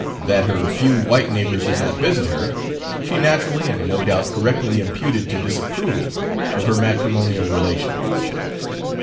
That her few white neighbors did not visit her, she naturally and no doubt correctly imputed to disapproval of her matrimonial relations.